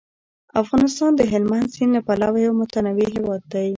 افغانستان د هلمند سیند له پلوه یو متنوع هیواد دی.